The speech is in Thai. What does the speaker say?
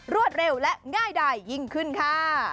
รวดเร็วและง่ายดายยิ่งขึ้นค่ะ